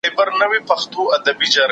موږ د حقايقو په اړه څېړنه کوله.